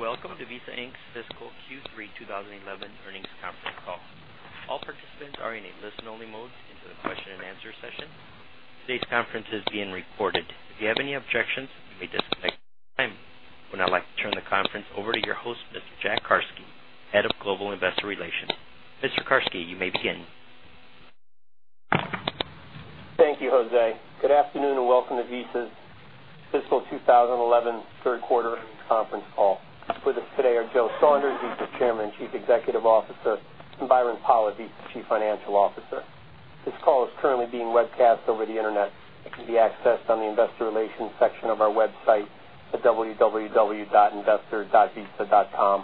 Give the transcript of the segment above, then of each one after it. Welcome to Visa Inc.'s Fiscal Q3 2011 Earnings Conference Call. All participants are in a listen-only mode until the question-and-answer session. Today's conference is being recorded. If you have any objections, you may disconnect at any time. We'd now like to turn the conference over to your host, Mr. Jack Carsky, Head of Global Investor Relations. Mr. Carsky, you may begin. Thank you, Jose. Good afternoon and welcome to Visa's Fiscal 2011 Third Quarter Conference Call. With us today are Joe Saunders, Visa's Chairman and Chief Executive Officer, and Byron Pollitt, Visa's Chief Financial Officer. This call is currently being webcast over the Internet. It can be accessed on the Investor Relations section of our website at www.investor.visa.com.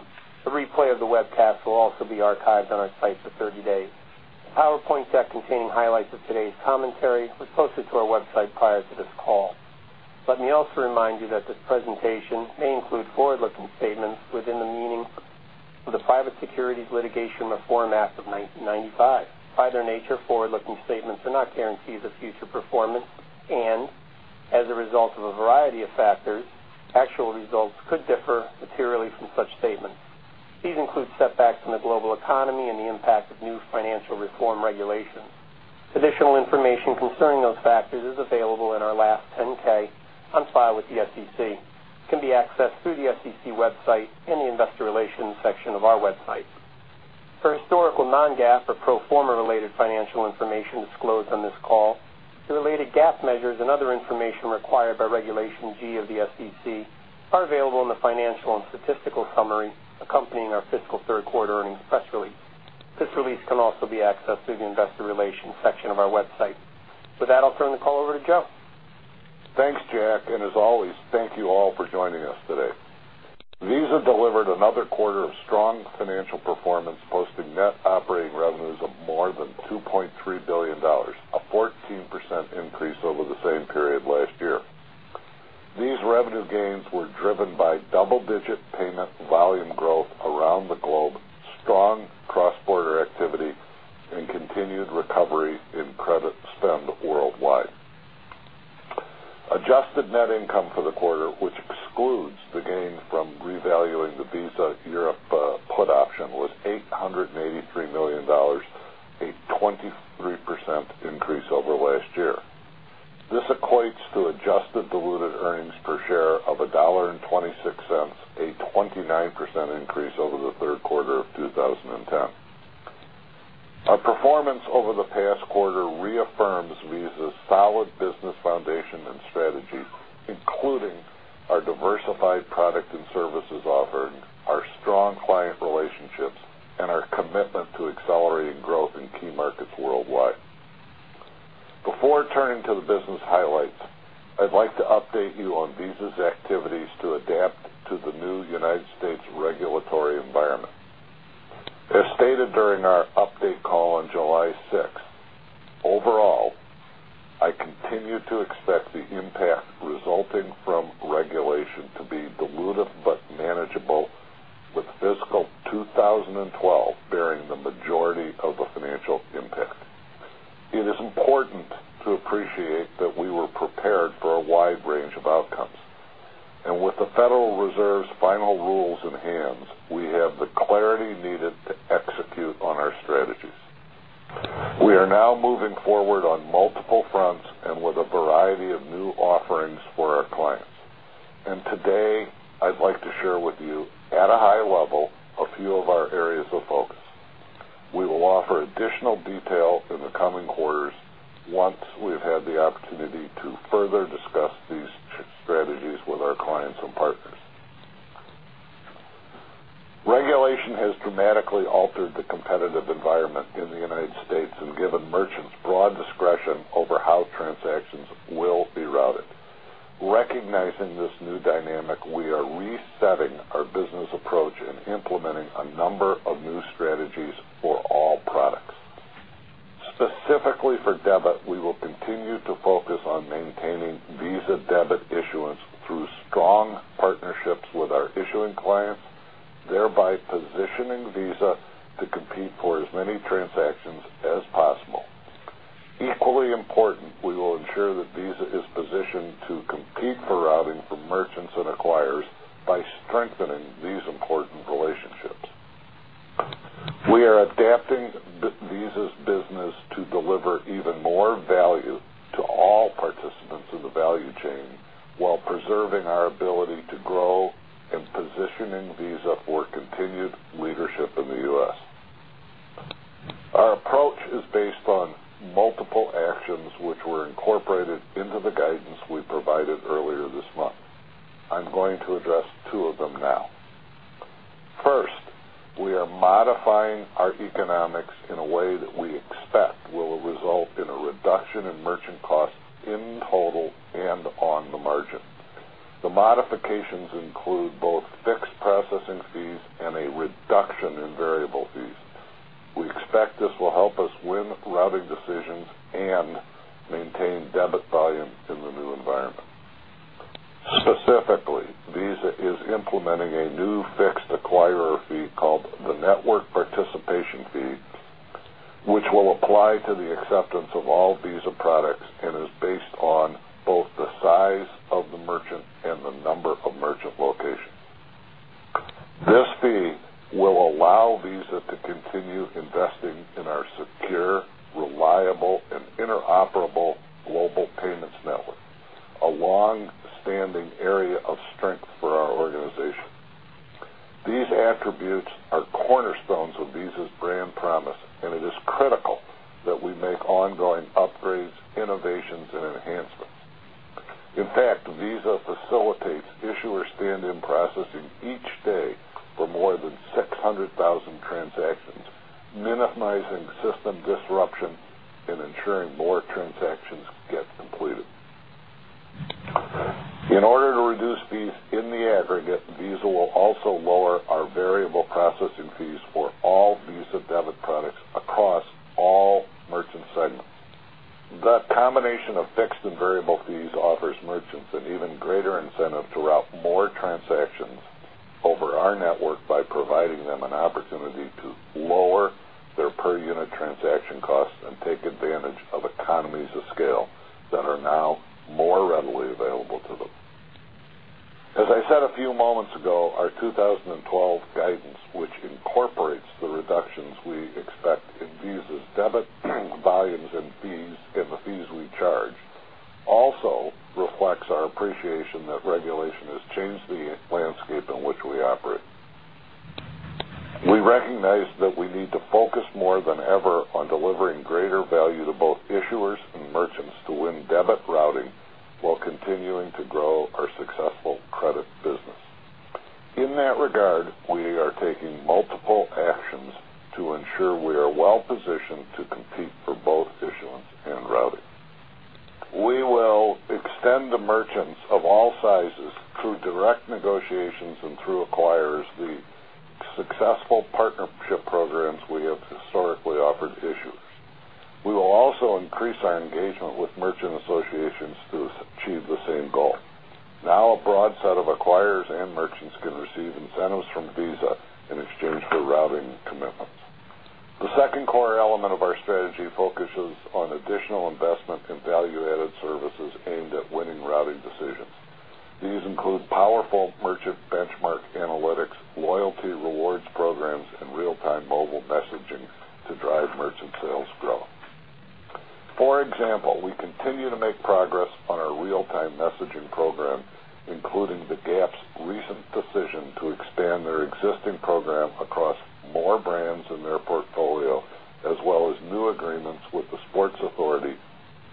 A replay of the webcast will also be archived on our site for 30 days. The PowerPoint deck containing highlights of today's commentary was posted to our website prior to this call. Let me also remind you that this presentation may include forward-looking statements within the meaning of the Private Securities Litigation Reform Act of 1995. By their nature, forward-looking statements are not guarantees of future performance and, as a result of a variety of factors, actual results could differ materially from such statements. These include setbacks in the global economy and the impact of new financial reform regulations. Additional information concerning those factors is available in our last 10-K on file with the SEC. It can be accessed through the SEC website and the Investor Relations section of our website. For historical non-GAAP or pro-forma related financial information disclosed on this call, the related GAAP measures and other information required by Regulation G of the SEC are available in the financial and statistical summary accompanying our fiscal third-quarter earnings press release. This release can also be accessed through the Investor Relations section of our website. With that, I'll turn the call over to Joe. Thanks, Jack, and as always, thank you all for joining us today. Visa delivered another quarter of strong financial performance, posting net operating revenues of more than $2.3 billion, a 14% increase over the same period last year. These revenue gains were driven by double-digit payment volume growth around the globe, strong cross-border activity, and continued recovery in credit spend worldwide. Adjusted net income for the quarter, which excludes the gain from revaluing the Visa Europe put option, was $883 million, a 23% increase over last year. This equates to adjusted diluted earnings per share of $1.26, a 29% increase over the third quarter of 2010. Our performance over the past quarter reaffirms Visa's solid business foundation and strategy, including our diversified product and services offering, our strong client relationships, and our commitment to accelerating growth in key markets worldwide. Before turning to the business highlights, I'd like to update you on Visa's activities to adapt to the new United States regulatory environment. As stated during our update call on July 6, overall, I continue to expect the impact resulting from regulation to be dilutive but manageable, with fiscal 2012 bearing the majority of the financial impact. It is important to appreciate that we were prepared for a wide range of outcomes, and with the Federal Reserve’s final rules in hand, we have the clarity needed to execute on our strategies. We are now moving forward on multiple fronts and with a variety of new offerings for our clients. Today, I'd like to share with you, at a high level, a few of our areas of focus. We will offer additional detail in the coming quarters once we've had the opportunity to further discuss these strategies with our clients and partners. Regulation has dramatically altered the competitive environment in the United States and given merchants broad discretion over how transactions will be routed. Recognizing this new dynamic, we are resetting our business approach and implementing a number of new strategies for all products. Specifically for debit, we will continue to focus on maintaining Visa debit issuance through strong partnerships with our issuing clients, thereby positioning Visa to compete for as many transactions as possible. Equally important, we will ensure that Visa is positioned to compete for routing for merchants and acquirers by strengthening these important relationships. We are adapting Visa's business to deliver even more value to all participants in the value chain while preserving our ability to grow and positioning Visa for continued leadership in the U.S. Our approach is based on multiple actions which were incorporated into the guidance we provided earlier this month. I'm going to address two of them now. First, we are modifying our economics in a way that we expect will result in a reduction in merchant costs in total and on the margin. The modifications include both fixed processing fees and a reduction in variable fees. We expect this will help us win routing decisions and maintain debit volume in the new environment. Specifically, Visa is implementing a new fixed acquirer fee called the Network Participation Fee, which will apply to the acceptance of all Visa products and is based on both the size of the merchant and the number of merchant locations. This fee will allow Visa to continue investing in our secure, reliable, and interoperable Global Payments Network, a longstanding area of strength for our organization. These attributes are cornerstones of Visa's brand promise, and it is critical that we make ongoing upgrades, innovations, and enhancements. In fact, Visa facilitates issuer stand-in processing each day for more than 600,000 transactions, minimizing system disruption and ensuring more transactions get completed. In order to reduce fees in the aggregate, Visa will also lower our variable processing fees for all Visa debit products across all merchant segments. The combination of fixed and variable fees offers merchants an even greater incentive to route more transactions over our network by providing them an opportunity to lower their per-unit transaction costs and take advantage of economies of scale that are now more readily available to them. As I said a few moments ago, our 2012 guidance, which incorporates the reductions we expect in Visa's debit volumes and fees and the fees we charge, also reflects our appreciation that regulation has changed the landscape in which we operate. We recognize that we need to focus more than ever on delivering greater value to both issuers and merchants to win debit routing while continuing to grow our successful credit business. In that regard, we are taking multiple actions to ensure we are well-positioned to compete for both issuance and routing. We will extend to merchants of all sizes through direct negotiations and through acquirers the successful partnership programs we have historically offered issuers. We will also increase our engagement with merchant associations to achieve the same goal. Now, a broad set of acquirers and merchants can receive incentives from Visa in exchange for routing commitments. The second core element of our strategy focuses on additional investment in value-added services aimed at winning routing decisions. These include powerful merchant benchmark analytics, loyalty rewards programs, and real-time mobile messaging to drive merchant sales growth. For example, we continue to make progress on our real-time messaging program, including the GAAP's recent decision to expand their existing program across more brands in their portfolio, as well as new agreements with the Sports Authority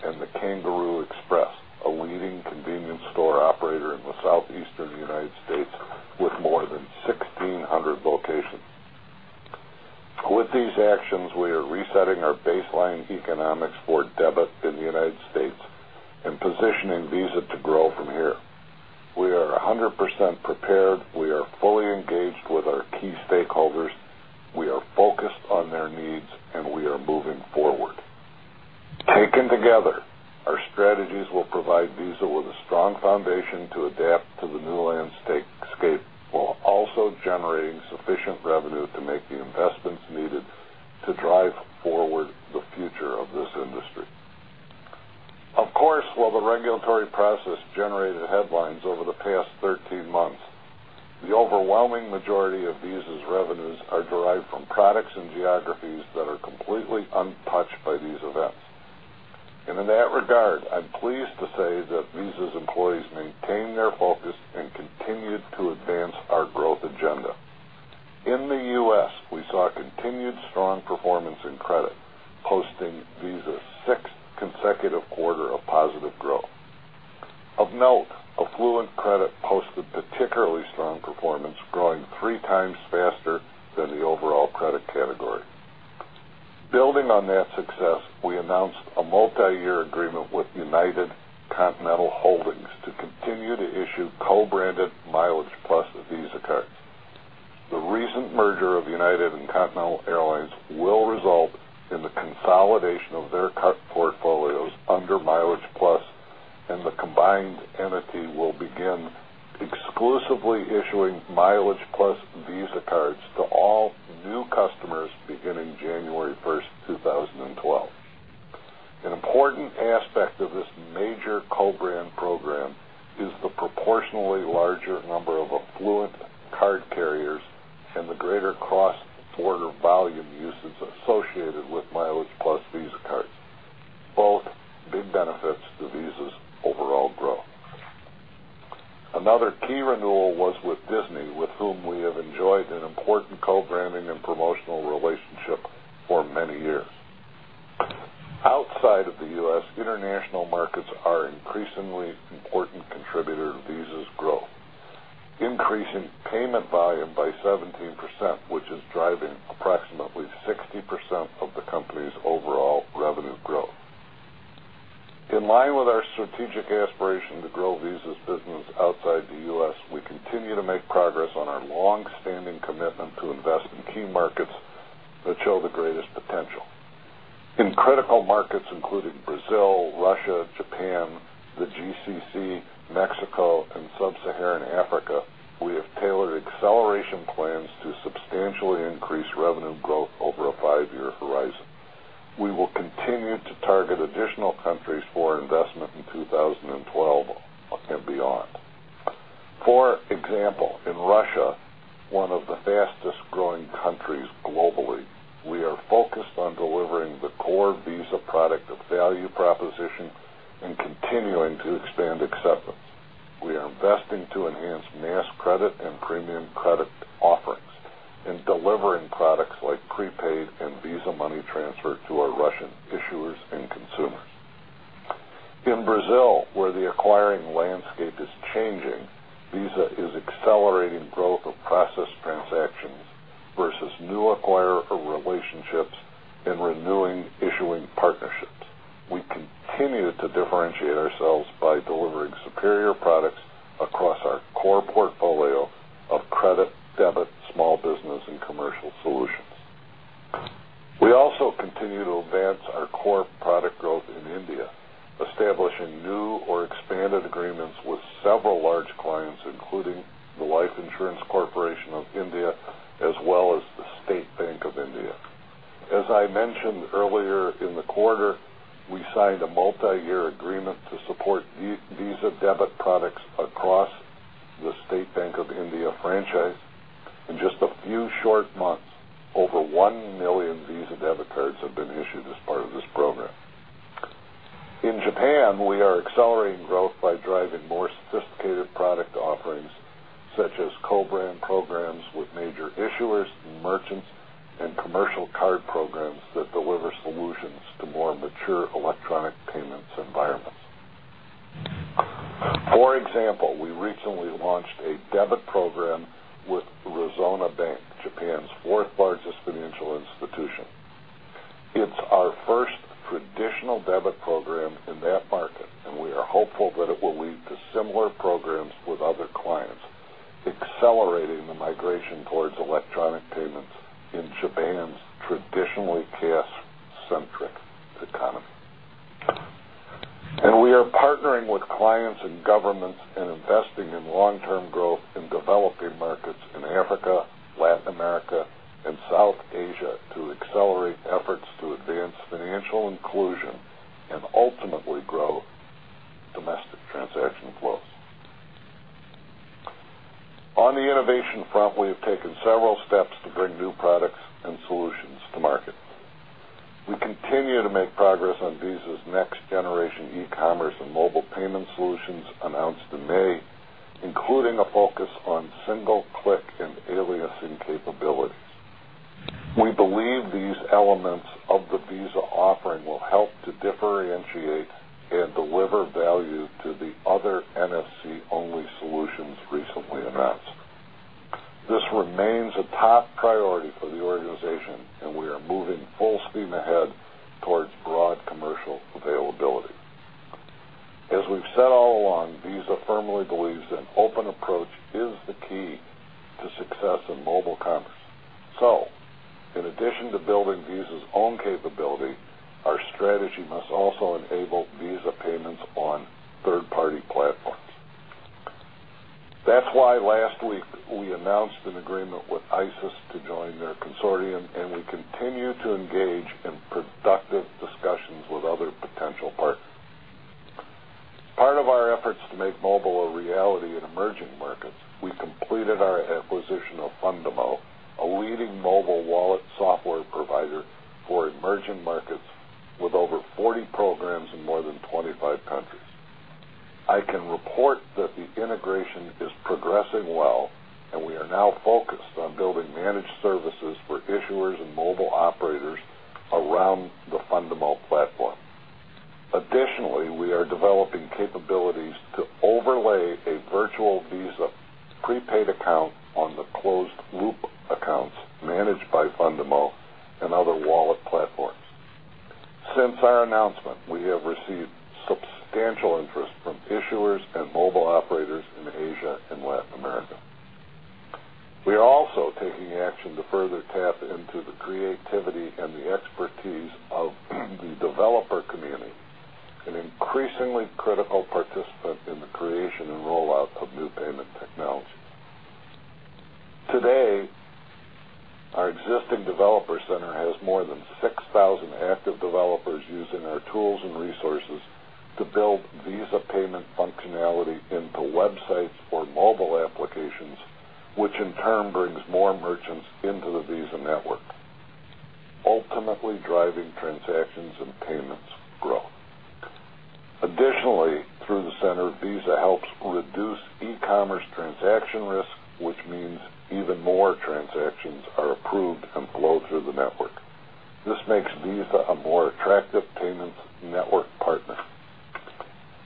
and the Kangaroo Express, a leading convenience store operator in the Southeastern United States with more than 1,600 locations. With these actions, we are resetting our baseline economics for debit in the United States and positioning Visa to grow from here. We are 100% prepared. We are fully engaged with our key stakeholders. We are focused on their needs, and we are moving forward. Taken together, our strategies will provide Visa with a strong foundation to adapt to the new landscape while also generating sufficient revenue to make the investments needed to drive forward the future of this industry. Of course, while the regulatory process generated headlines over the past 13 months, the overwhelming majority of Visa's revenues are derived from products and geographies that are completely untouched by these events. In that regard, I'm pleased to say that Visa's employees maintained their focus and continued to advance our growth agenda. In the U.S., we saw continued strong performance in credit, posting Visa's sixth consecutive quarter of positive growth. Of note, affluent credit posted particularly strong performance, growing 3x faster than the overall credit category. Building on that success, we announced a multi-year agreement with United Continental Holdings to continue to issue co-branded Mileage Plus Visa cards. The recent merger of United and Continental Airlines will result in the consolidation of their card portfolios under Mileage Plus, and the combined entity will begin exclusively issuing Mileage Plus Visa cards to all new customers beginning January 1st, 2012. An important aspect of this major co-brand program is the proportionately larger number of affluent card carriers and the greater cross-border volume usage associated with Mileage Plus Visa cards, both big benefits to Visa's overall growth. Another key renewal was with Disney, with whom we have enjoyed an important co-branding and promotional relationship for many years. Outside of the U.S., international markets are an increasingly important contributor to Visa's growth, increasing payment volume by 17%, which is driving approximately 60% of the company's overall revenue growth. In line with our strategic aspiration to grow Visa's business outside the U.S., we continue to make progress on our longstanding commitment to invest in key markets that show the greatest potential. In critical markets including Brazil, Russia, Japan, the GCC, Mexico, and sub-Saharan Africa, we have tailored acceleration plans to substantially increase revenue growth over a five-year horizon. We will continue to target additional countries for investment in 2012 and beyond. For example, in Russia, one of the fastest growing countries globally, we are focused on delivering the core Visa product of value proposition and continuing to expand acceptance. We are investing to enhance mass credit and premium credit offerings and delivering products like prepaid and Visa money transfer to our Russian issuers and consumers. In Brazil, where the acquiring landscape is changing, Visa is accelerating growth of process transactions versus new acquirer relationships and renewing issuing partnerships. We continue to differentiate ourselves by delivering superior products across our core portfolio of credit, debit, small business, and commercial solutions. We also continue to advance our core product growth in India, establishing new or expanded agreements with several large clients, including the Life Insurance Corporation of India, as well as the State Bank of India. As I mentioned earlier in the quarter, we signed a multi-year agreement to support Visa debit products across the State Bank of India franchise, and in just a few short months, over 1 million Visa debit cards have been issued as part of this program. In Japan, we are accelerating growth by driving more sophisticated product offerings, such as co-brand programs with major issuers, merchants, and commercial card programs that deliver solutions to more mature electronic payments environments. For example, we recently launched a debit program with Resona Bank, Japan's fourth largest financial institution. It's our first traditional debit program in that market, and we are hopeful that it will lead to similar programs with other clients, accelerating the migration towards electronic payments in Japan's traditionally cash-centric economy. We are partnering with clients and governments and investing in long-term growth in developing markets in Africa, Latin America, and South Asia to accelerate efforts to advance financial inclusion and ultimately grow domestic transaction flow. On the innovation front, we have taken several steps to bring new products and solutions to market. We continue to make progress on Visa's next-generation e-commerce and mobile payment solutions announced in May, including a focus on single-click and aliasing capabilities. We believe these elements of the Visa offering will help to differentiate and deliver value to the other NFC-only solutions recently announced. This remains a top priority for the organization, and we are moving full steam ahead towards broad commercial availability. As we've said all along, Visa firmly believes an open approach is the key to success in mobile commerce. In addition to building Visa's own capability, our strategy must also enable Visa payments on third-party platforms. That's why last week we announced an agreement with Isis to join their consortium, and we continue to engage in productive discussions with other potential partners. As part of our efforts to make mobile a reality in emerging markets, we completed our acquisition of Fundamo, a leading mobile wallet software provider for emerging markets with over 40 programs in more than 25 countries. I can report that the integration is progressing well, and we are now focused on building managed services for issuers and mobile operators around the Fundamo platform. Additionally, we are developing capabilities to overlay a virtual Visa prepaid account on the closed loop accounts managed by Fundamo and other wallet platforms. Since our announcement, we have received substantial interest from issuers and mobile operators in Asia and Latin America. We are also taking action to further tap into the creativity and the expertise of the developer community, an increasingly critical participant in the creation and rollout of new payment technology. Today, our existing developer center has more than 6,000 active developers using our tools and resources to build Visa payment functionality into websites or mobile applications, which in turn brings more merchants into the Visa network, ultimately driving transactions and payments growth. Additionally, through the center, Visa helps reduce e-commerce transaction risk, which means even more transactions are approved and flow through the network. This makes Visa a more attractive payments network partner.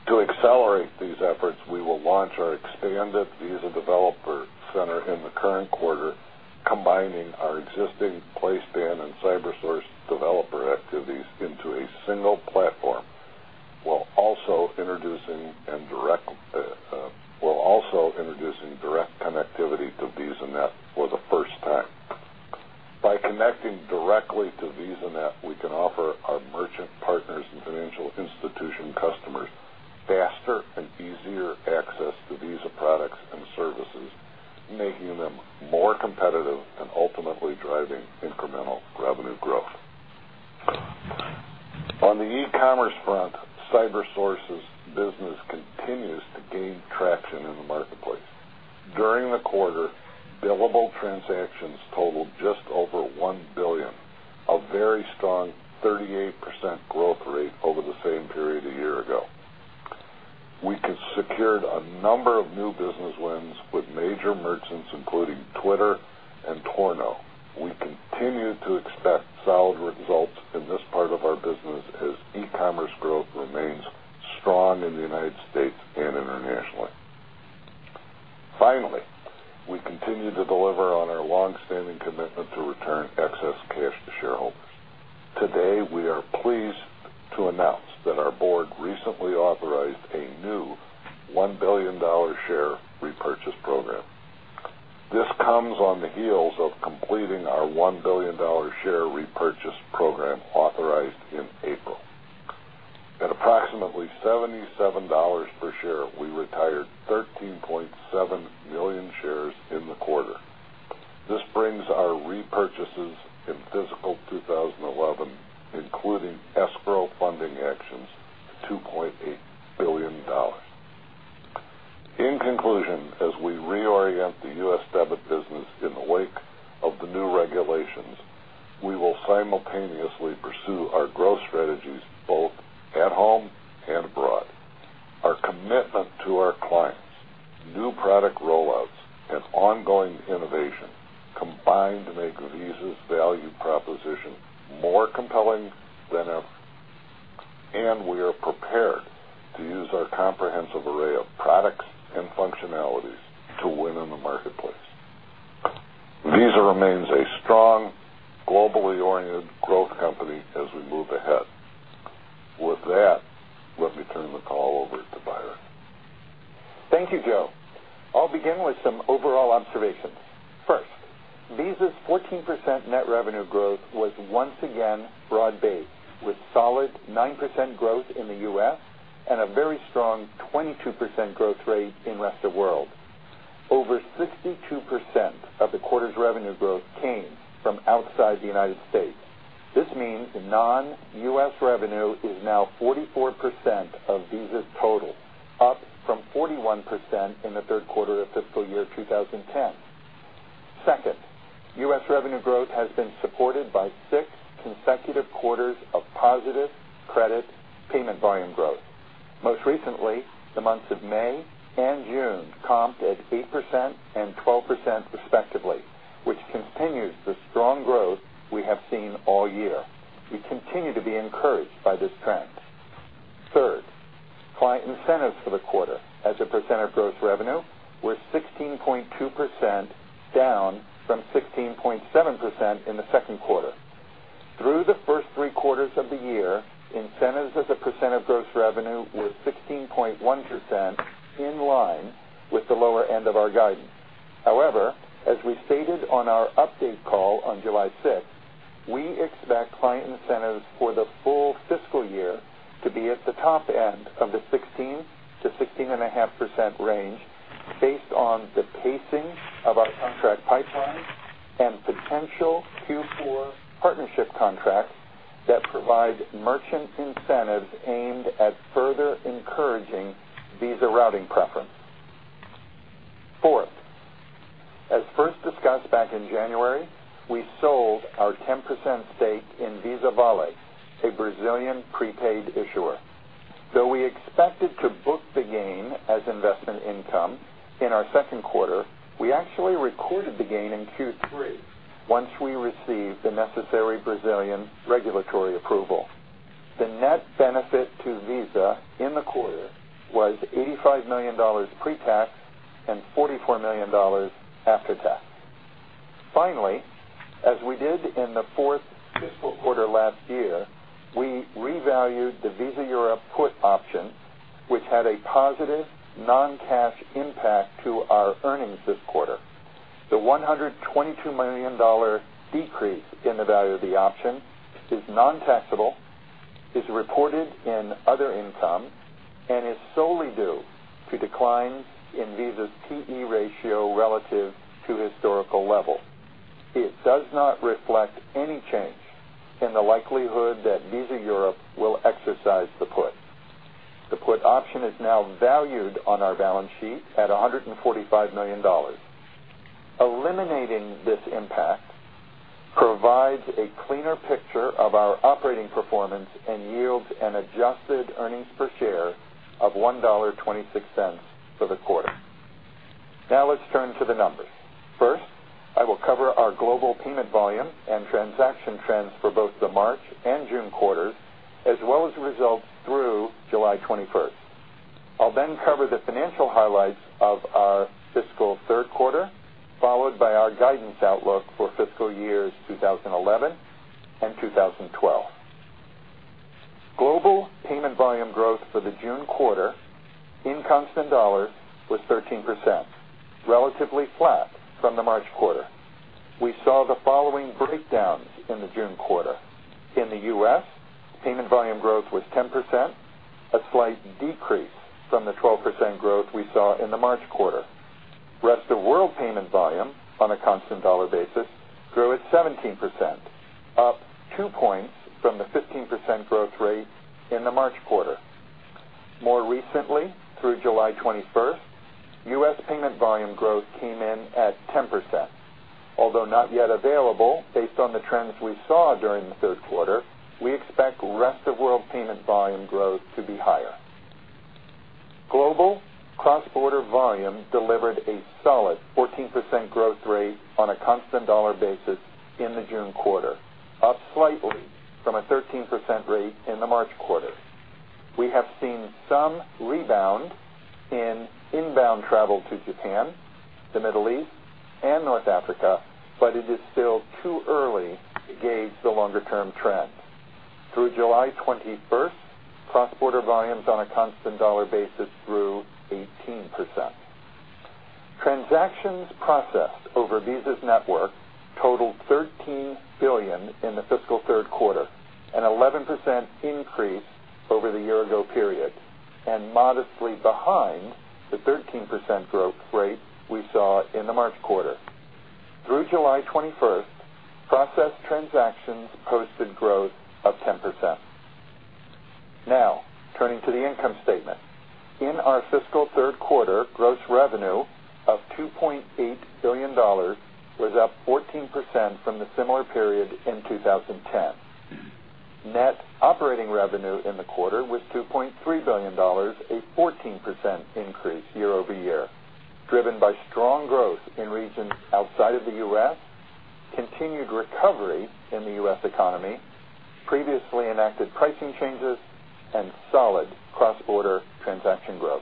To accelerate these efforts, we will launch our expanded Visa Developer Center in the current quarter, combining our existing PlaySpan and CyberSource developer activities into a single platform while also introducing direct connectivity to VisaNet for the first time. By connecting directly to VisaNet, we can offer our merchant partners and financial institution customers faster and easier access to Visa products and services, making them more competitive and ultimately driving incremental revenue growth. On the e-commerce front, CyberSource's business continues to gain traction in the marketplace. During the quarter, billable transactions totaled just over 1 billion, a very strong 38% growth rate over the same period a year ago. We have secured a number of new business wins with major merchants, including Twitter and [ptorno]; we continue to expect solid results in this part of our business as e-commerce growth remains strong in the United States and internationally. Finally, we continue to deliver on our longstanding commitment to return excess cash to shareholders. Today, we are pleased to announce that our board recently authorized a new $1 billion share repurchase program. This comes on the heels of completing our $1 billion share repurchase program authorized in April. At approximately $77 per share, we retired 13.7 million shares in the quarter. This brings our repurchases in fiscal 2011, including escrow funding actions, to $2.8 billion. In conclusion, as we reorient the U.S. debit business in the wake of the new regulations, we will simultaneously pursue our growth strategies both at home and abroad. Our commitment to our clients, new product rollouts, and ongoing innovation combine to make Visa's value proposition more compelling than ever, and we are prepared to use our comprehensive array of products and functionalities to win in the marketplace. Visa remains a strong, globally oriented growth company as we move ahead. With that, let me turn the call over to Byron. Thank you, Joe. I'll begin with some overall observations. First, Visa's 14% net revenue growth was once again broad-based, with solid 9% growth in the U.S. and a very strong 22% growth rate in the rest of the world. Over 62% of the quarter's revenue growth came from outside the United States. This means non-U.S. revenue is now 44% of Visa's total, up from 41% in the third quarter of fiscal year 2010. Second, U.S. revenue growth has been supported by six consecutive quarters of positive credit payment volume growth. Most recently, the months of May and June comped at 8% and 12% respectively, which continues the strong growth we have seen all year. We continue to be encouraged by this trend. Third, client incentives for the quarter, as a percent of gross revenue, were 16.2%, down from 16.7% in the second quarter. Through the first three quarters of the year, incentives as a percent of gross revenue were 16.1%, in line with the lower end of our guidance. However, as we stated on our update call on July 6, we expect client incentives for the full fiscal year to be at the top end of the 16%-16.5% range based on the pacing of our contract pipelines and potential Q4 partnership contracts that provide merchant incentives aimed at further encouraging Visa routing preference. Fourth, as first discussed back in January, we sold our 10% stake in Visa Vale to a Brazilian prepaid issuer. Though we expected to book the gain as investment income in our second quarter, we actually recorded the gain in Q3 once we received the necessary Brazilian regulatory approval. The net benefit to Visa in the quarter was $85 million pre-tax and $44 million after-tax. Finally, as we did in the fourth fiscal quarter last year, we revalued the Visa Europe put option, which had a positive non-cash impact to our earnings this quarter. The $122 million decrease in the value of the option, which is non-taxable, is reported in other income and is solely due to declines in Visa's QE ratio relative to historical levels. It does not reflect any change in the likelihood that Visa Europe will exercise the put. The put option is now valued on our balance sheet at $145 million. Eliminating this impact provides a cleaner picture of our operating performance and yields an adjusted earnings per share of $1.26 for the quarter. Now let's turn to the numbers. First, I will cover our global payment volume and transaction trends for both the March and June quarters, as well as results through July 21st. I'll then cover the financial highlights of our fiscal third quarter, followed by our guidance outlook for fiscal years 2011 and 2012. Global payment volume growth for the June quarter in constant dollars was 13%, relatively flat from the March quarter. We saw the following breakdowns in the June quarter. In the U.S., payment volume growth was 10%, a slight decrease from the 12% growth we saw in the March quarter. The rest of the world payment volume on a constant dollar basis grew at 17%, up two points from the 15% growth rate in the March quarter. More recently, through July 21st, U.S. payment volume growth came in at 10%. Although not yet available, based on the trends we saw during the third quarter, we expect the rest of the world payment volume growth to be higher. Global cross-border volume delivered a solid 14% growth rate on a constant dollar basis in the June quarter, up slightly from a 13% rate in the March quarter. We have seen some rebound in inbound travel to Japan, the Middle East, and North Africa, but it is still too early to gauge the longer-term trends. Through July 21st, cross-border volumes on a constant dollar basis grew 18%. Transactions processed over Visa's network totaled 13 billion in the fiscal third quarter, an 11% increase over the year-ago period, and modestly behind the 13% growth rate we saw in the March quarter. Through July 21st, processed transactions posted growth of 10%. Now, turning to the income statement. In our fiscal third quarter, gross revenue of $2.8 billion was up 14% from the similar period in 2010. Net operating revenue in the quarter was $2.3 billion, a 14% increase year-over-year, driven by strong growth in regions outside of the U.S., continued recovery in the U.S. economy, previously enacted pricing changes, and solid cross-border transaction growth.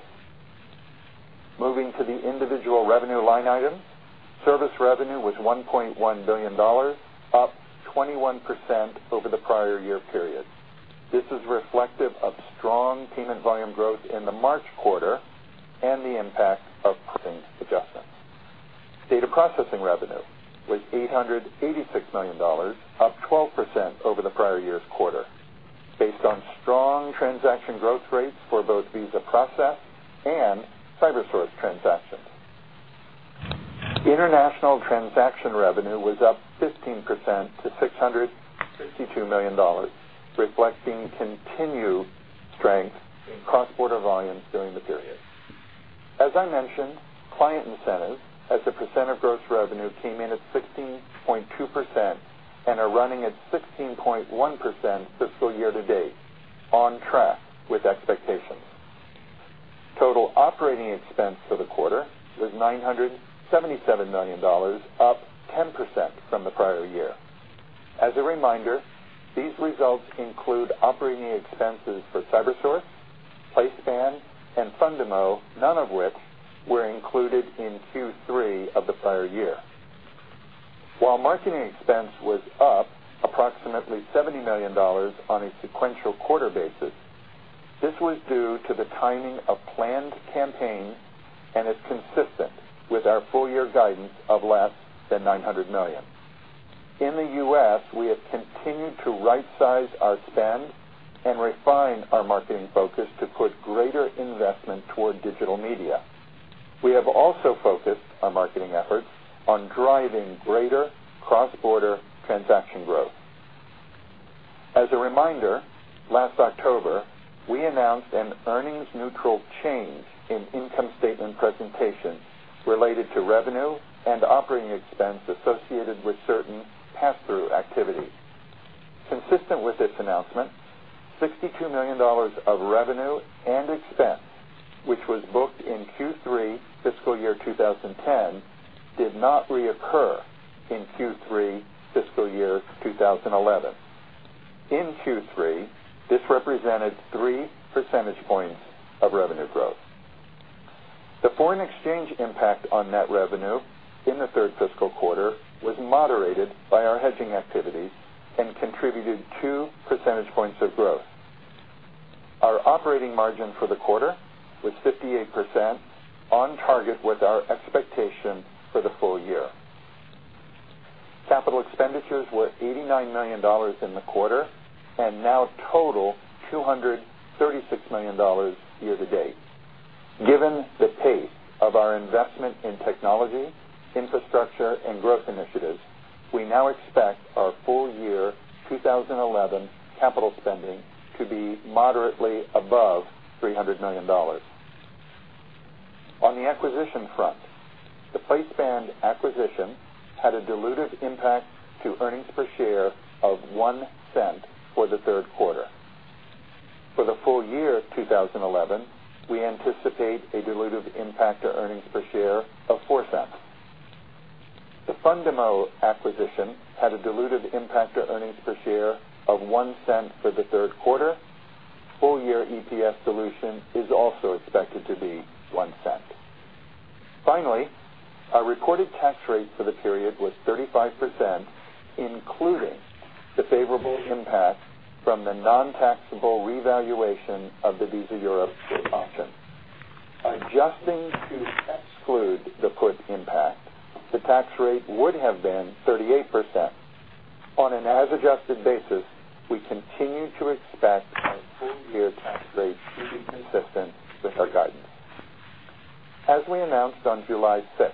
Moving to the individual revenue line item, service revenue was $1.1 billion, up 21% over the prior year period. This is reflective of strong payment volume growth in the March quarter and the impact of recent adjustments. Data processing revenue was $886 million, up 12% over the prior year's quarter, based on strong transaction growth rates for both Visa processed and CyberSource transactions. International transaction revenue was up 15% to $662 million, reflecting continued strength in cross-border volumes during the period. As I mentioned, client incentives as a percentage of gross revenue came in at 16.2% and are running at 16.1% fiscal year-to-date, on track with expectations. Total operating expense for the quarter was $977 million, up 10% from the prior year. As a reminder, these results include operating expenses for CyberSource, PlaySpan, and Fundamo, none of which were included in Q3 of the prior year. While marketing expense was up approximately $70 million on a sequential quarter basis, this was due to the timing of planned campaigns and is consistent with our full-year guidance of less than $900 million. In the U.S., we have continued to right-size our spend and refine our marketing focus to put greater investment toward digital media. We have also focused our marketing efforts on driving greater cross-border transaction growth. As a reminder, last October, we announced an earnings-neutral change in income statement presentation related to revenue and operating expense associated with certain pass-through activity. Consistent with this announcement, $62 million of revenue and expense, which was booked in Q3 fiscal year 2010, did not reoccur in Q3 fiscal year 2011. In Q3, this represented three percentage points of revenue growth. The foreign exchange impact on net revenue in the third fiscal quarter was moderated by our hedging activity and contributed two percentage points of growth. Our operating margin for the quarter was 58%, on target with our expectation for the full year. Capital expenditures were $89 million in the quarter and now total $236 million year-to-date. Given the pace of our investment in technology, infrastructure, and growth initiatives, we now expect our full year 2011 capital spending to be moderately above $300 million. On the acquisition front, the PlaySpan acquisition had a dilutive impact to earnings per share of $0.01 for the third quarter. For the full year 2011, we anticipate a dilutive impact to earnings per share of $0.04. The Fundamo acquisition had a dilutive impact to earnings per share of $0.01 for the third quarter. Full-year EPS dilution is also expected to be $0.01. Finally, our recorded tax rate for the period was 35%, including the favorable impact from the non-taxable revaluation of the Visa Europe option. Our adjusting fee excludes the put impact. The tax rate would have been 38%. On an as-adjusted basis, we continue to expect our full-year tax rate to be consistent with our guidance. As we announced on July 6,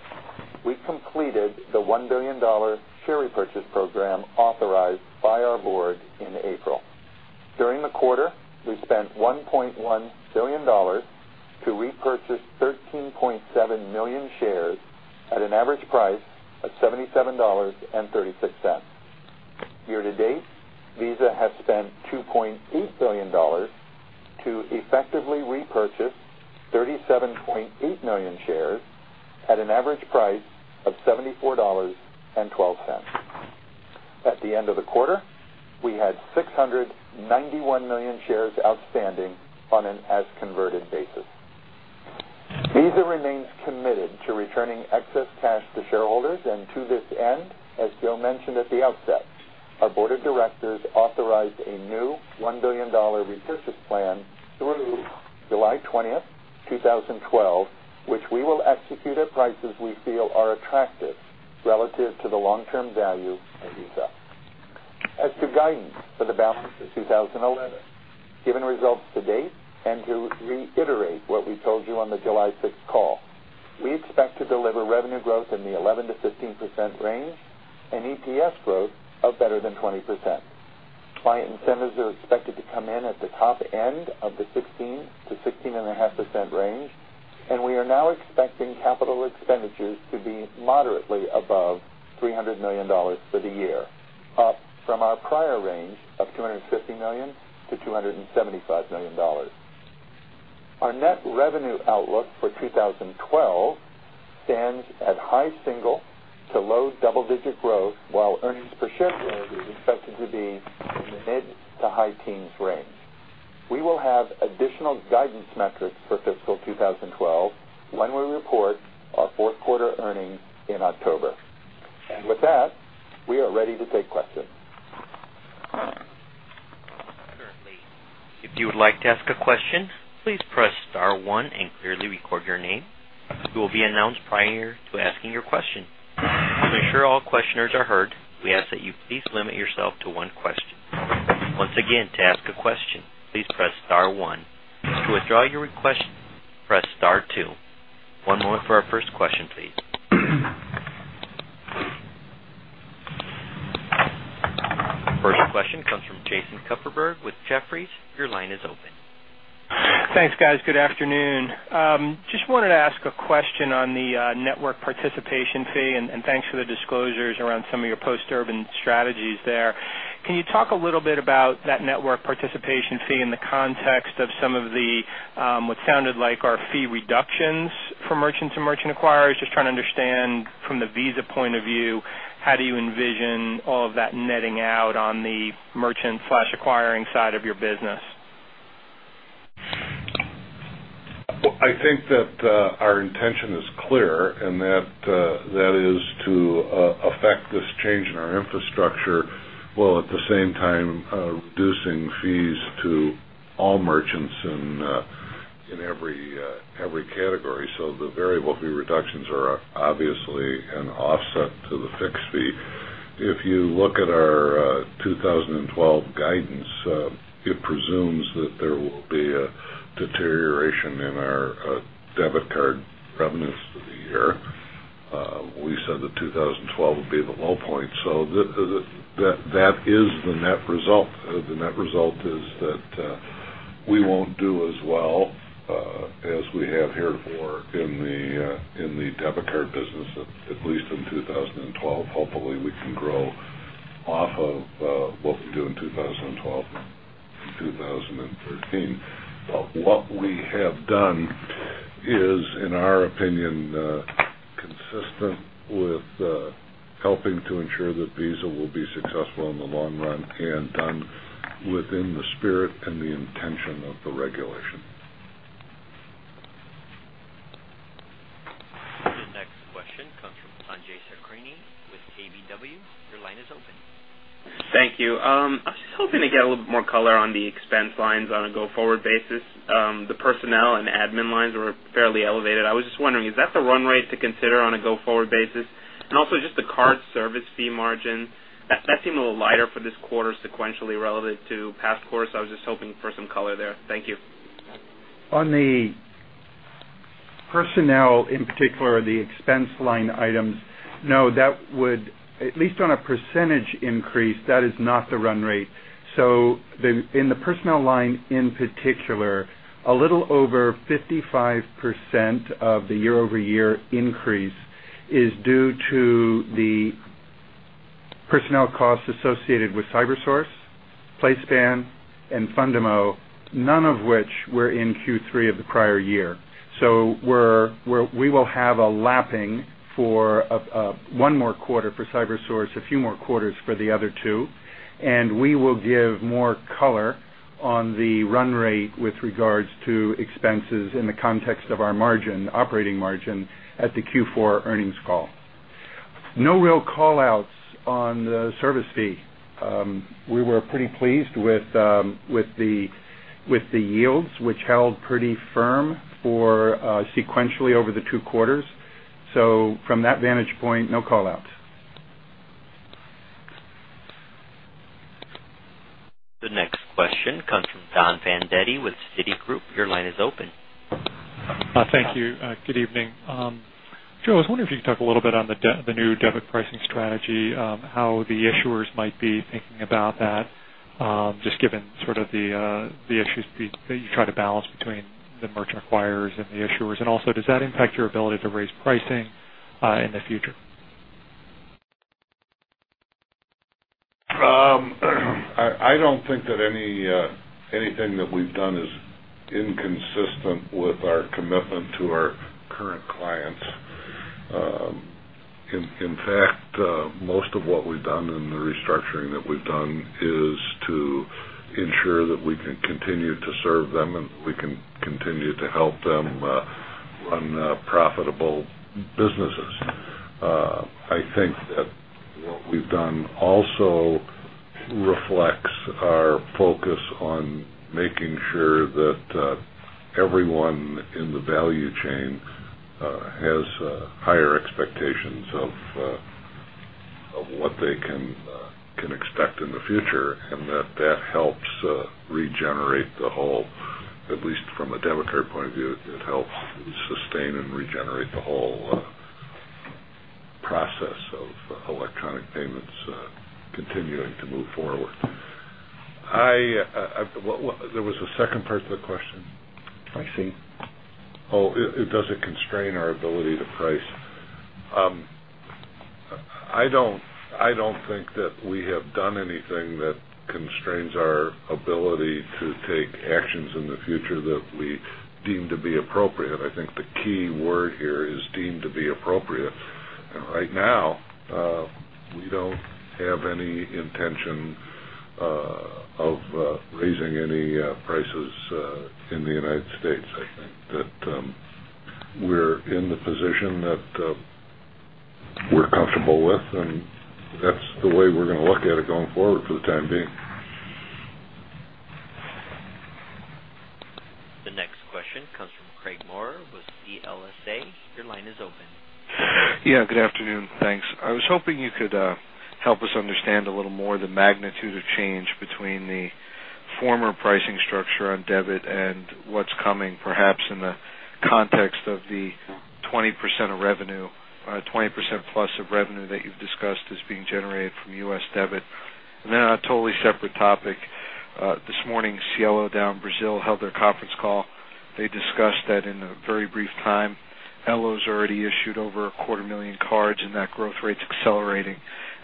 we completed the $1 billion share repurchase program authorized by our board in April. During the quarter, we spent $1.1 billion to repurchase 13.7 million shares at an average price of $77.36. Year-to-date, Visa has spent $2.8 billion to effectively repurchase 37.8 million shares at an average price of $74.12. At the end of the quarter, we had 691 million shares outstanding on an as-converted basis. Visa remains committed to returning excess cash to shareholders, and to this end, as Joe mentioned at the outset, our board of directors authorized a new $1 billion repurchase plan through July 20th, 2012, which we will execute at prices we feel are attractive relative to the long-term value of Visa. As to guidance for the balance of 2011, given results to date and to reiterate what we told you on the July 6 call, we expect to deliver revenue growth in the 11%-15% range and EPS growth of better than 20%. Client incentives are expected to come in at the top end of the 16%-16.5% range, and we are now expecting capital expenditures to be moderately above $300 million for the year, up from our prior range of $250 million-$275 million. Our net revenue outlook for 2012 stands at high single to low double-digit growth, while earnings per share growth is expected to be in the mid to high teens range. We will have additional guidance metrics for fiscal 2012 when we report our fourth quarter earnings in October. With that, we are ready to take questions. Currently, if you would like to ask a question, please press star one and clearly record your name. You will be announced prior to asking your question. We'll make sure all questioners are heard. We ask that you please limit yourself to one question. Once again, to ask a question, please press star one. To withdraw your request, press star two. One moment for our first question, please. First question comes from Jason Kupferberg with Jefferies. Your line is open. Thanks, guys. Good afternoon. Just wanted to ask a question on the Network Participation Fee, and thanks for the disclosures around some of your post-Durbin strategies there. Can you talk a little bit about that Network Participation Fee in the context of some of the, what sounded like, fee reductions for merchant acquirers? Just trying to understand from the Visa point of view, how do you envision all of that netting out on the merchant/acquiring side of your business? I think that our intention is clear, and that is to affect this change in our infrastructure, while at the same time reducing fees to all merchants in every category. The variable fee reductions are obviously an offset to the fixed fee. If you look at our 2012 guidance, it presumes that there will be a deterioration in our debit card revenues for the year. We said that 2012 would be the low point. That is the net result. The net result is that we won't do as well as we have here in the debit card business, at least in 2012. Hopefully, we can grow off of what we do in 2012 and 2015. What we have done is, in our opinion, consistent with helping to ensure that Visa will be successful in the long run and done within the spirit and the intention of the regulation. The next question comes from Sanjay Sakhrani with KBW. Your line is open. Thank you. I was just hoping to get a little bit more color on the expense lines on a go-forward basis. The personnel and admin lines were fairly elevated. I was just wondering, is that the run rate to consider on a go-forward basis? Also, just the card service fee margin, that seemed a little lighter for this quarter sequentially relative to past quarters. I was just hoping for some color there. Thank you. On the personnel, in particular, the expense line items, no, that would, at least on a percentage increase, that is not the run rate. In the personnel line in particular, a little over 55% of the year-over-year increase is due to the personnel costs associated with CyberSource, PlaySpan, and Fundamo, none of which were in Q3 of the prior year. We will have a lapping for one more quarter for CyberSource, a few more quarters for the other two, and we will give more color on the run rate with regards to expenses in the context of our margin, operating margin at the Q4 earnings call. No real callouts on the service fee. We were pretty pleased with the yields, which held pretty firm sequentially over the two quarters. From that vantage point, no callouts. The next question comes from Don Fandetti with Citigroup. Your line is open. Thank you. Good evening. Joe, I was wondering if you could talk a little bit on the new debit pricing strategy, how the issuers might be thinking about that, just given the issues that you try to balance between the merchant acquirers and the issuers. Also, does that impact your ability to raise pricing in the future? I don't think that anything that we've done is inconsistent with our commitment to our current clients. In fact, most of what we've done in the restructuring that we've done is to ensure that we can continue to serve them and we can continue to help them run profitable businesses. I think that what we've done also reflects our focus on making sure that everyone in the value chain has higher expectations of what they can expect in the future, and that helps regenerate the whole, at least from a debit card point of view. It helps sustain and regenerate the whole process of electronic payments continuing to move forward. There was a second part to the question. Pricing. Does it constrain our ability to price? I don't think that we have done anything that constrains our ability to take actions in the future that we deem to be appropriate. I think the key word here is deemed to be appropriate. Right now, we don't have any intention of raising any prices in the United States. I think that we're in the position that we're comfortable with, and that's the way we're going to look at it going forward for the time being. The next question comes from Craig Maurer with CLSA. Your line is open. Good afternoon. Thanks. I was hoping you could help us understand a little more the magnitude of change between the former pricing structure on debit and what's coming, perhaps in the context of the 20% of revenue, 20%+ of revenue that you've discussed as being generated from U.S. debit. On a totally separate topic, this morning, Cielo down in Brazil held their conference call. They discussed that in a very brief time, Elo's already issued over 250,000 cards, and that growth rate's accelerating.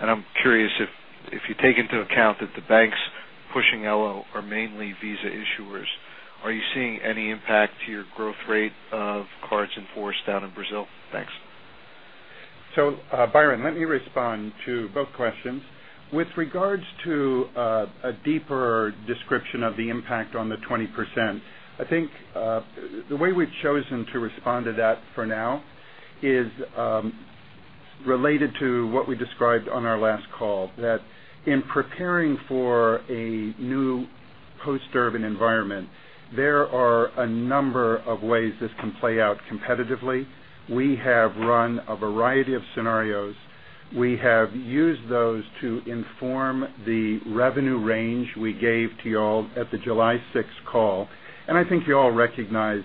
I'm curious if you take into account that the banks pushing Elo are mainly Visa issuers. Are you seeing any impact to your growth rate of cards in force down in Brazil? Thanks. Byron, let me respond to both questions. With regards to a deeper description of the impact on the 20%, I think the way we've chosen to respond to that for now is related to what we described on our last call, that in preparing for a new post-Durbin environment, there are a number of ways this can play out competitively. We have run a variety of scenarios. We have used those to inform the revenue range we gave to you all at the July 6 call. I think you all recognize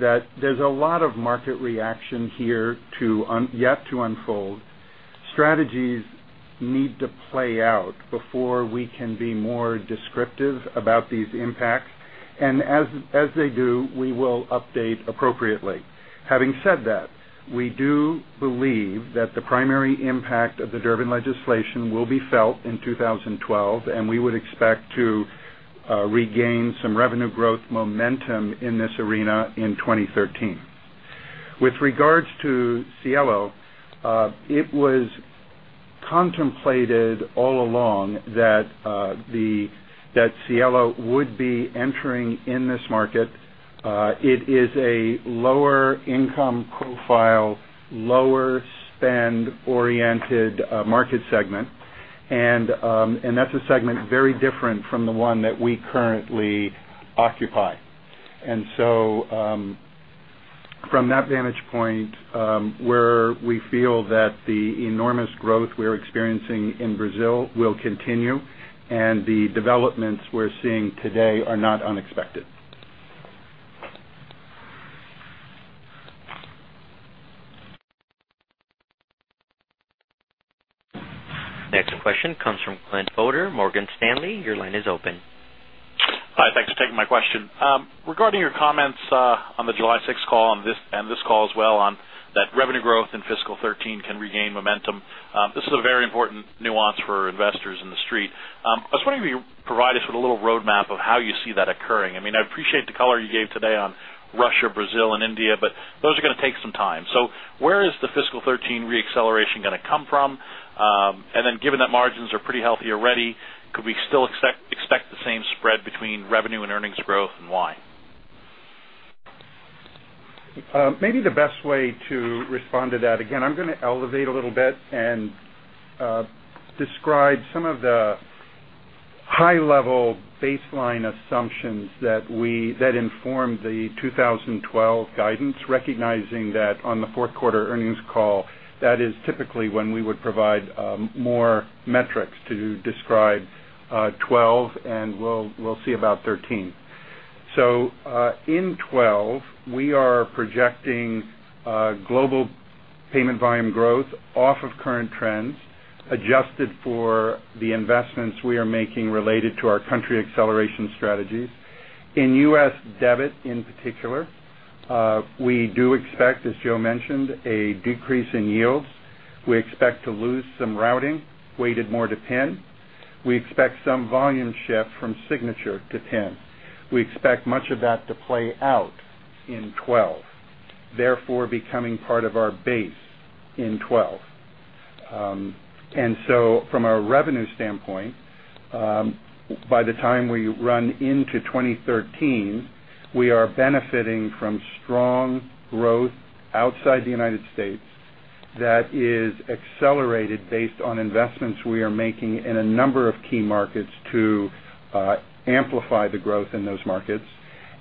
that there's a lot of market reaction here yet to unfold. Strategies need to play out before we can be more descriptive about these impacts. As they do, we will update appropriately. Having said that, we do believe that the primary impact of the Durbin legislation will be felt in 2012, and we would expect to regain some revenue growth momentum in this arena in 2013. With regards to Cielo, it was contemplated all along that Cielo would be entering in this market. It is a lower income profile, lower spend-oriented market segment, and that's a segment very different from the one that we currently occupy. From that vantage point, we feel that the enormous growth we're experiencing in Brazil will continue, and the developments we're seeing today are not unexpected. Next question comes from Glenn Fodor, Morgan Stanley. Your line is open. Hi. Thanks for taking my question. Regarding your comments on the July 6 call and this call as well on that revenue growth in fiscal 2013 can regain momentum, this is a very important nuance for investors in the street. I was wondering if you could provide us with a little roadmap of how you see that occurring. I mean, I appreciate the color you gave today on Russia, Brazil, and India, but those are going to take some time. Where is the fiscal 2013 reacceleration going to come from? Given that margins are pretty healthy already, could we still expect the same spread between revenue and earnings growth, and why? Maybe the best way to respond to that, again, I'm going to elevate a little bit and describe some of the high-level baseline assumptions that inform the 2012 guidance, recognizing that on the fourth quarter earnings call, that is typically when we would provide more metrics to describe 2012 and we'll see about 2013. In 2012, we are projecting global payment volume growth off of current trends, adjusted for the investments we are making related to our country acceleration strategies. In U.S. debit in particular, we do expect, as Joe mentioned, a decrease in yields. We expect to lose some routing weighted more to PIN. We expect some volume shift from signature to PIN. We expect much of that to play out in 2012, therefore becoming part of our base in 2012. From a revenue standpoint, by the time we run into 2013, we are benefiting from strong growth outside the United States that is accelerated based on investments we are making in a number of key markets to amplify the growth in those markets.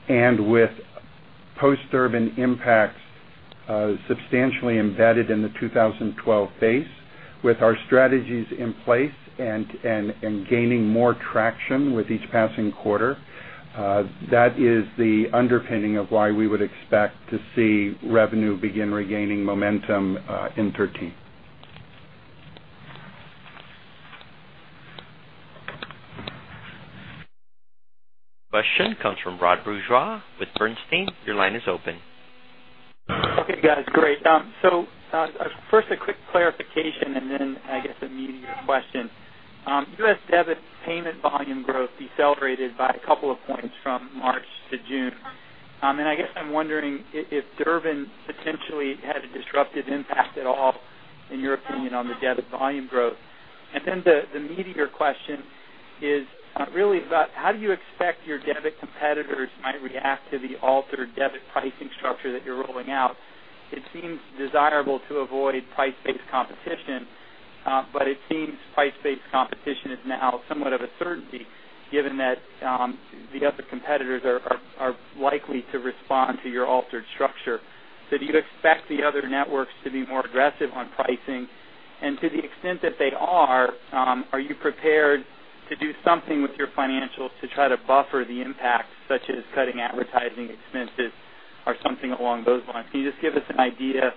With post-Durbin impacts substantially embedded in the 2012 base, with our strategies in place and gaining more traction with each passing quarter, that is the underpinning of why we would expect to see revenue begin regaining momentum in 2013. Question comes from Rod Bourgeois with Bernstein. Your line is open. Hey, guys. Great. First, a quick clarification, and then I guess immediate question. U.S. debit payment volume growth decelerated by a couple of points from March to June. I'm wondering if the Durbin potentially had a disruptive impact at all, in your opinion, on the debit volume growth. The immediate question is really about how do you expect your debit competitors might react to the altered debit pricing structure that you're rolling out? It seems desirable to avoid price-based competition, but it seems price-based competition is now somewhat of a certainty, given that the other competitors are likely to respond to your altered structure. Do you expect the other networks to be more aggressive on pricing? To the extent that they are, are you prepared to do something with your financials to try to buffer the impact, such as cutting advertising expenses or something along those lines? Can you just give us an idea?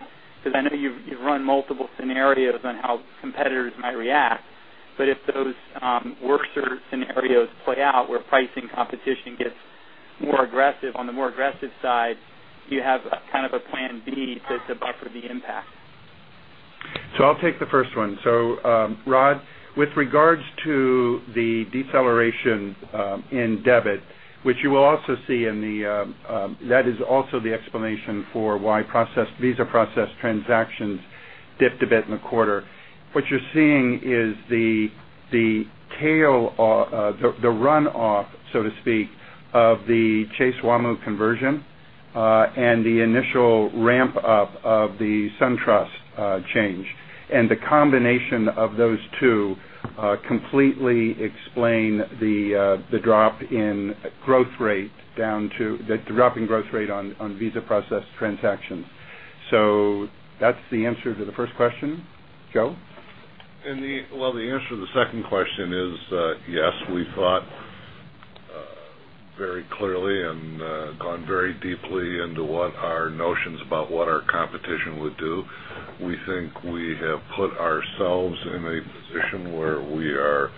I know you've run multiple scenarios on how competitors might react. If those worse scenarios play out where pricing competition gets more aggressive on the more aggressive side, do you have kind of a plan B to buffer the impact? I'll take the first one. Rod, with regards to the deceleration in debit, which you will also see, that is also the explanation for why Visa process transactions dipped a bit in the quarter. What you're seeing is the tail, the runoff, so to speak, of the Chase Wamu conversion and the initial ramp-up of the SunTrust change. The combination of those two completely explains the drop in growth rate down to the drop in growth rate on Visa process transactions. That's the answer to the first question. Joe? The answer to the second question is yes, we thought very clearly and gone very deeply into what our notions about what our competition would do. We think we have put ourselves in a position where we are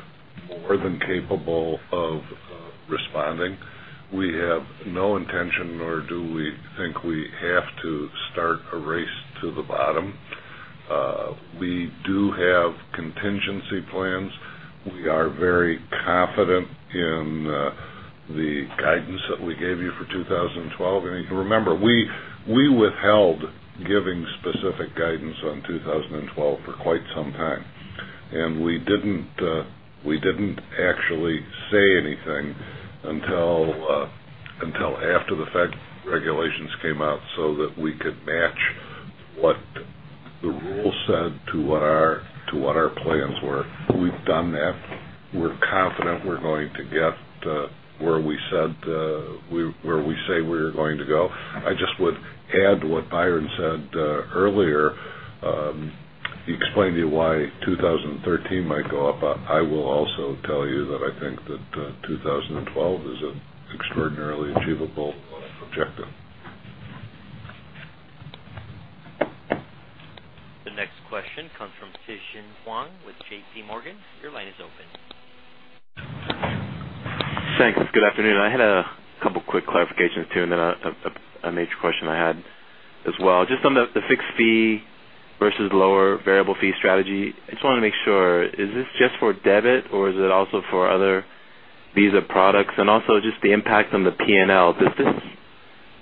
more than capable of responding. We have no intention, nor do we think we have to start a race to the bottom. We do have contingency plans. We are very confident in the guidance that we gave you for 2012. You can remember, we withheld giving specific guidance on 2012 for quite some time. We didn't actually say anything until after the Federal Reserve’s final rules came out so that we could match what the rules said to what our plans were. We've done that. We're confident we're going to get where we said we were going to go. I just would add to what Byron said earlier. He explained to you why 2013 might go up. I will also tell you that I think that 2012 is an extraordinarily achievable objective. The next question comes from Tien-Tsin Huang with JPMorgan. Your line is open. Thanks. Good afternoon. I had a couple of quick clarifications too, and then a major question I had as well. Just on the fixed fee versus lower variable fee strategy, I just wanted to make sure, is this just for debit, or is it also for other Visa products? Also, just the impact on the P&L, I'm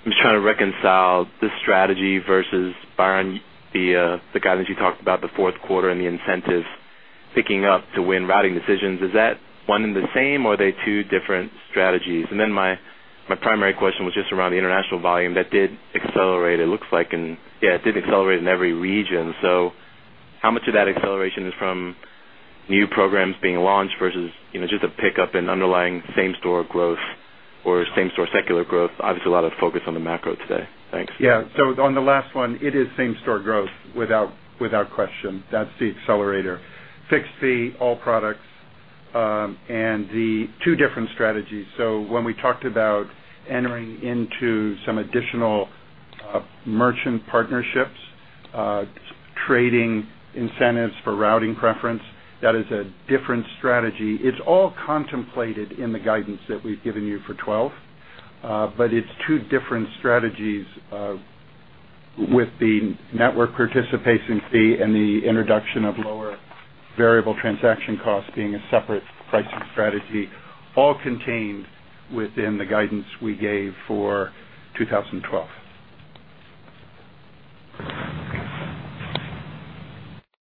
just trying to reconcile this strategy versus Byron, the guidance you talked about the fourth quarter and the incentives picking up to win routing decisions. Is that one and the same, or are they two different strategies? My primary question was just around the international volume that did accelerate, it looks like, and yeah, it did accelerate in every region. How much of that acceleration is from new programs being launched versus just a pickup in underlying same-store growth or same-store secular growth? Obviously, a lot of focus on the macro today. Thanks. Yeah. On the last one, it is same-store growth without question. That's the accelerator. Fixed fee, all products, and the two different strategies. When we talked about entering into some additional merchant partnerships, trading incentives for routing preference, that is a different strategy. It's all contemplated in the guidance that we've given you for 2012. It's two different strategies with the Network Participation Fee and the introduction of lower variable transaction costs being a separate pricing strategy, all contained within the guidance we gave for 2012.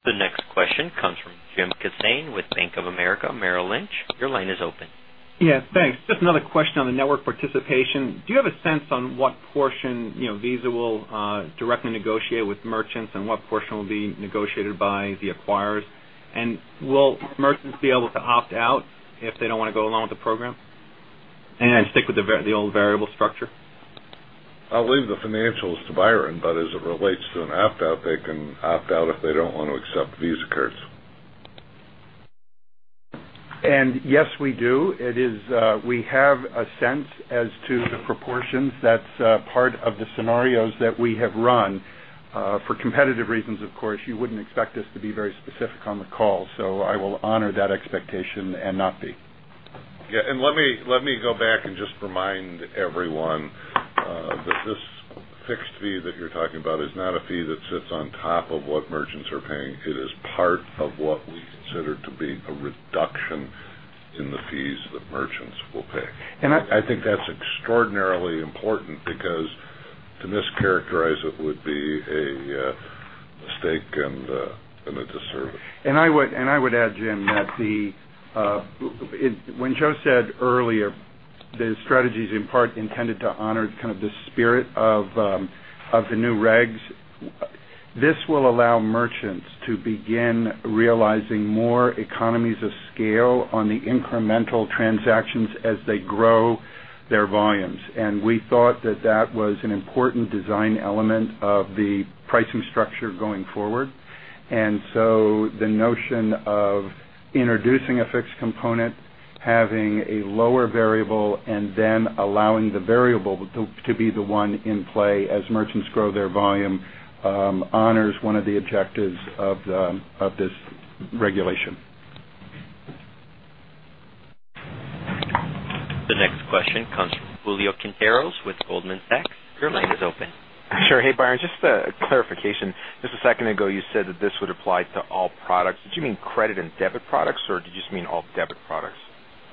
The next question comes from Jim Kissane with Bank of America, Merrill Lynch. Your line is open. Yes, thanks. Just another question on the Network Participation Fee. Do you have a sense on what portion Visa will directly negotiate with merchants and what portion will be negotiated by the acquirers? Will merchants be able to opt out if they don't want to go along with the program and stick with the old variable structure? I'll leave the financials to Byron, but as it relates to an opt-out, they can opt out if they don't want to accept Visa cards. Yes, we do. We have a sense as to the proportions. That's part of the scenarios that we have run. For competitive reasons, of course, you wouldn't expect us to be very specific on the call. I will honor that expectation and not be. Let me go back and just remind everyone that this fixed fee that you're talking about is not a fee that sits on top of what merchants are paying. It is part of what we consider to be a reduction in the fees that merchants will pay. I think that's extraordinarily important because to mischaracterize it would be a mistake and a disservice. I would add, Jim, that when Joe said earlier, the strategy is in part intended to honor kind of the spirit of the new regs. This will allow merchants to begin realizing more economies of scale on the incremental transactions as they grow their volumes. We thought that that was an important design element of the pricing structure going forward. The notion of introducing a fixed component, having a lower variable, and then allowing the variable to be the one in play as merchants grow their volume honors one of the objectives of this regulation. The next question comes from Julio Quinteros with Goldman Sachs. Your line is open. Sure. Hey, Byron, just a clarification. A second ago, you said that this would apply to all products. Did you mean credit and debit products, or did you just mean all debit products?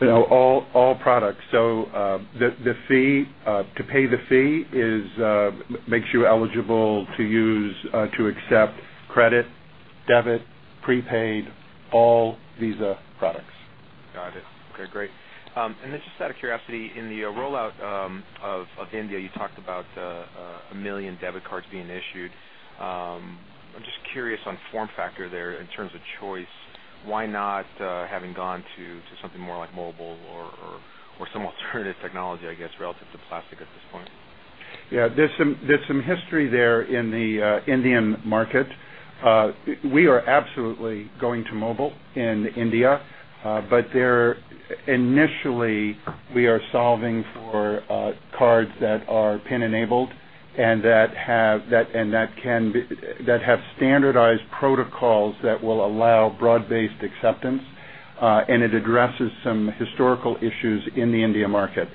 No, all products. The fee to pay the fee makes you eligible to accept credit, debit, prepaid, all Visa products. Got it. Okay, great. Just out of curiosity, in the rollout of India, you talked about a million debit cards being issued. I'm just curious on form factor there in terms of choice. Why not having gone to something more like mobile or some alternative technology, I guess, relative to plastic at this point? Yeah, there's some history there in the India market. We are absolutely going to mobile in India, but initially, we are solving for cards that are PIN-enabled and that have standardized protocols that will allow broad-based acceptance. It addresses some historical issues in the India market.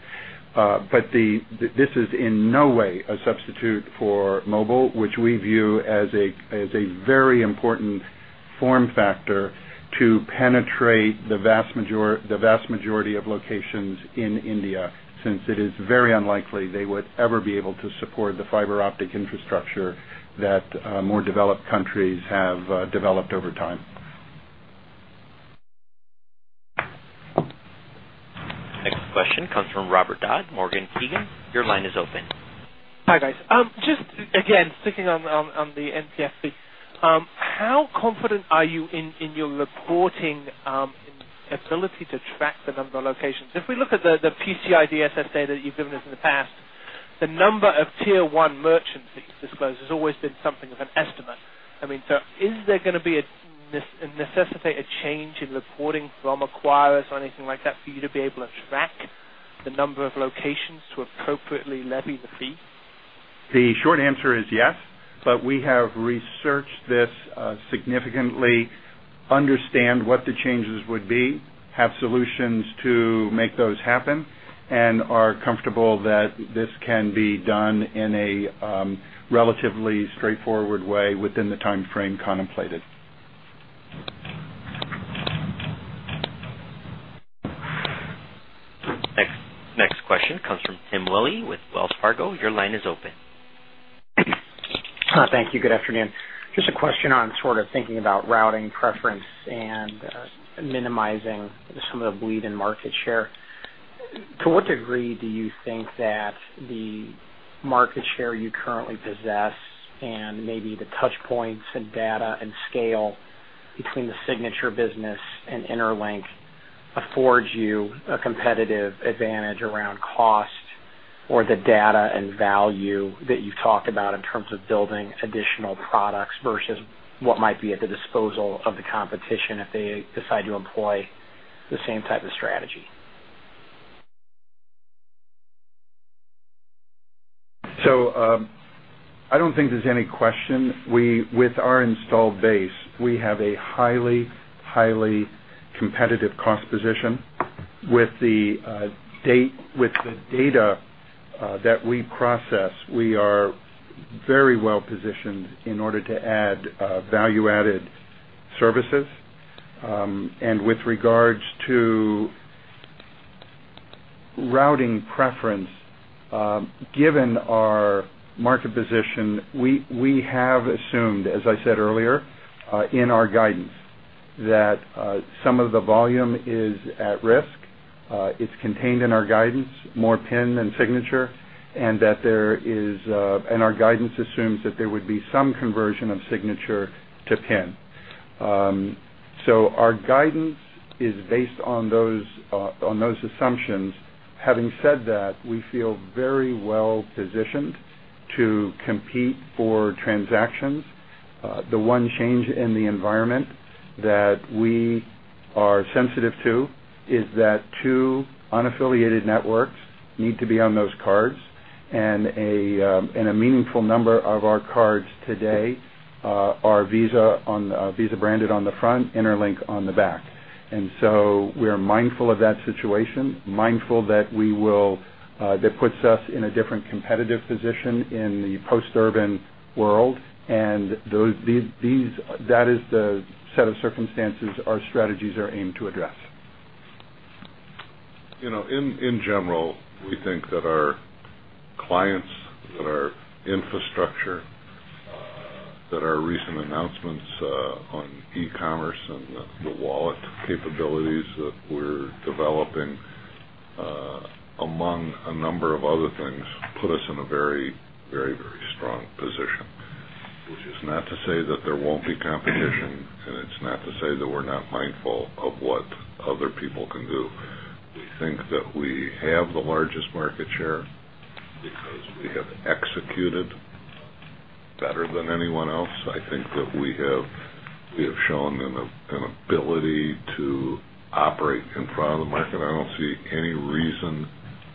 This is in no way a substitute for mobile, which we view as a very important form factor to penetrate the vast majority of locations in India, since it is very unlikely they would ever be able to support the fiber optic infrastructure that more developed countries have developed over time. Next question comes from Robert Dodd, Morgan Keegan. Your line is open. Hi, guys. Just again, sticking on the NCSC, how confident are you in your reporting ability to track the number of locations? If we look at the PCIDS data that you've given us in the past, the number of tier one merchants that you've disclosed has always been something of an estimate. I mean, is there going to necessitate a change in reporting from acquirers or anything like that for you to be able to track the number of locations to appropriately levy the fee? The short answer is yes, but we have researched this significantly, understand what the changes would be, have solutions to make those happen, and are comfortable that this can be done in a relatively straightforward way within the timeframe contemplated. Next question comes from Tim Willi with Wells Fargo. Your line is open. Thank you. Good afternoon. Just a question on sort of thinking about routing preference and minimizing some of the bleed in market share. To what degree do you think that the market share you currently possess and maybe the touchpoints and data and scale between the signature business and Interlink afford you a competitive advantage around cost or the data and value that you've talked about in terms of building additional products versus what might be at the disposal of the competition if they decide to employ the same type of strategy? I don't think there's any question. With our installed base, we have a highly, highly competitive cost position. With the data that we process, we are very well positioned in order to add value-added services. With regards to routing preference, given our market position, we have assumed, as I said earlier, in our guidance that some of the volume is at risk. It's contained in our guidance, more PIN than signature, and our guidance assumes that there would be some conversion of signature to PIN. Our guidance is based on those assumptions. Having said that, we feel very well positioned to compete for transactions. The one change in the environment that we are sensitive to is that two unaffiliated networks need to be on those cards, and a meaningful number of our cards today are Visa branded on the front, Interlink on the back. We are mindful of that situation, mindful that puts us in a different competitive position in the post-Durbin world. That is the set of circumstances our strategies are aimed to address. In general, we think that our clients, our infrastructure, and our recent announcements on e-commerce and the wallet capabilities that we're developing, among a number of other things, put us in a very, very, very strong position. This is not to say that there won't be competition, and it's not to say that we're not mindful of what other people can do. We think that we have the largest market share because we have executed better than anyone else. I think that we have shown an ability to operate in front of the market. I don't see any reason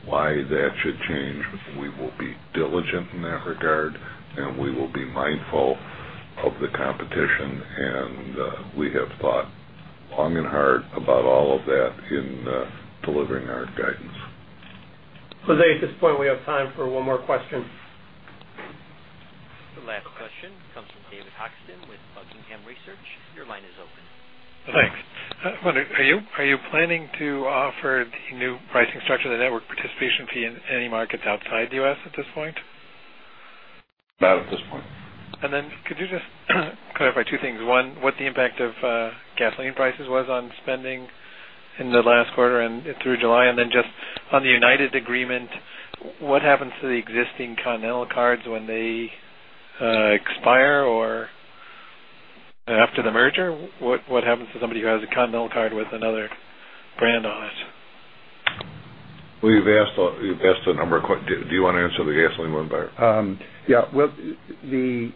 why that should change. We will be diligent in that regard, and we will be mindful of the competition. We have thought long and hard about all of that in delivering our guidance. I would say at this point, we have time for one more question. The last question comes from David Hochstim with Buckingham Research. Your line is open. Thanks. Are you planning to offer the new pricing structure, the Network Participation Fee, in any markets outside the U.S. at this point? Not at this point. Could you just clarify two things? One, what the impact of gasoline prices was on spending in the last quarter and through July, and then just on the United agreement, what happens to the existing Continental cards when they expire or after the merger? What happens to somebody who has a Continental card with another brand on it? We've asked a number of questions. Do you want to answer the gasoline one? The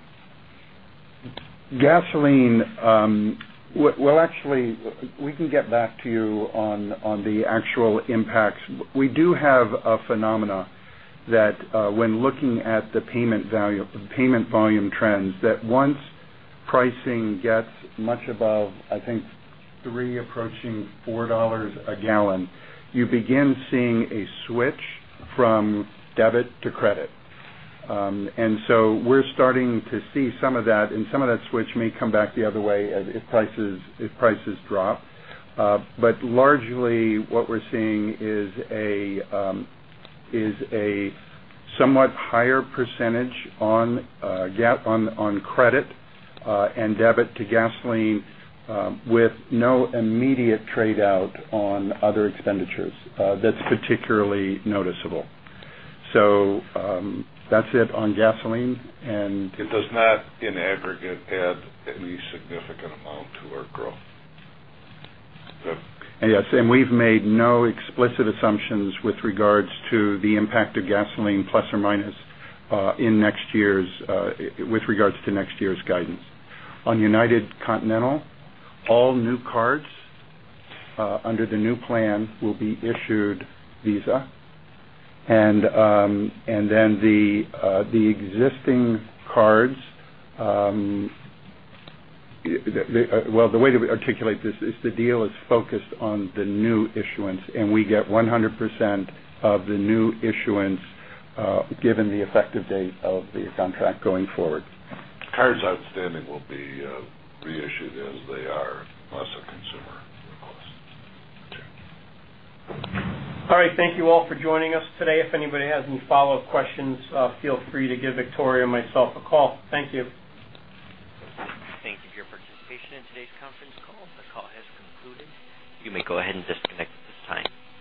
gasoline, actually, we can get back to you on the actual impacts. We do have a phenomenon that when looking at the payment volume trends, once pricing gets much above, I think, $3 approaching $4 a gallon, you begin seeing a switch from debit to credit. We're starting to see some of that, and some of that switch may come back the other way if prices drop. Largely, what we're seeing is a somewhat higher percentage on credit and debit to gasoline with no immediate tradeout on other expenditures. That's particularly noticeable. That's it on gasoline. It does not, in aggregate, add any significant amount to our growth. We have made no explicit assumptions with regards to the impact of gasoline plus or minus in next year's guidance. On United Continental, all new cards under the new plan will be issued Visa, and the existing cards, the way to articulate this is the deal is focused on the new issuance, and we get 100% of the new issuance given the effective date of the contract going forward. Cards outstanding will be reissued as they are on the consumer. All right. Thank you all for joining us today. If anybody has any follow-up questions, feel free to give Victoria and myself a call. Thank you. Thank you for your participation in today's conference call. The call has concluded. You may go ahead and disconnect at this time.